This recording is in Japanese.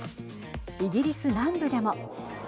イギリス南部でも。